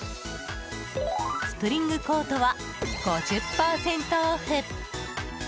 スプリングコートは５０％オフ！